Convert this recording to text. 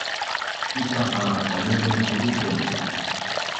Icaq qa talulung su itun?